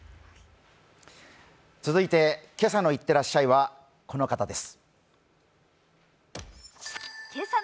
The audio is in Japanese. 続いて「今朝のいってらっしゃい」はこの方です。